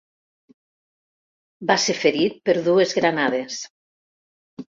Va ser ferit per dues granades.